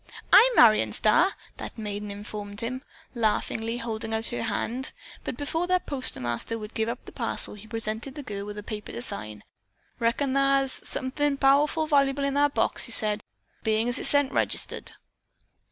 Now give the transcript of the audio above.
"I'm Marion Starr," that maiden informed him, laughingly holding out her hand. But before the postmaster would give up the parcel he presented the girl with a paper to sign. "Reckon thar's suthin' powerful valuable in that thar box," he said, "bein' as it's sent registered."